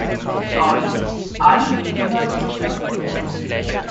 Sorry, are you reading that brochure?